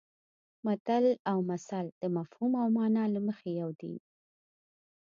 متل او مثل د مفهوم او مانا له مخې یو دي